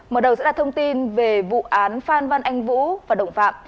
mở đầu sẽ là thông tin về vụ án phan văn anh vũ và đồng phạm